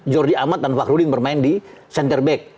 jordi ahmad dan fakhrudin bermain di center back